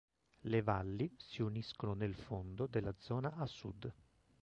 Le valli si uniscono nel fondo della zona a sud.